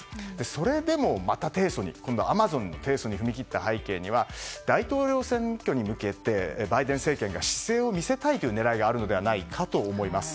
それでもまた今度アマゾンが提訴に踏み切った背景には大統領選挙に向けてバイデン政権が姿勢を見せたいというあるのではないかと思います。